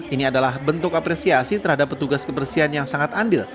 ini adalah bentuk apresiasi terhadap petugas kebersihan yang sangat andil